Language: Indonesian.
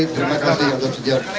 terima kasih atas sejarah kita